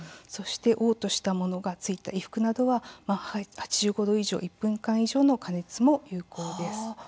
そして、おう吐したものがついた衣服などは８５度以上１分間以上の加熱も有効です。